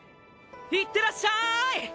いってらっしゃい！